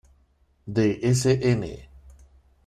De Sn.